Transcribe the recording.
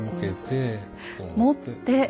持って。